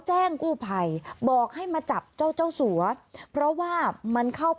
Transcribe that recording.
แจ้งกู้ภัยบอกให้มาจับเจ้าเจ้าสัวเพราะว่ามันเข้าไป